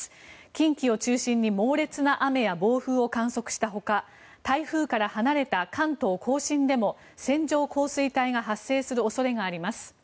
近畿を中心に猛烈な雨や暴風を観測したほか台風から離れた関東・甲信でも線状降水帯が発生する恐れがあります。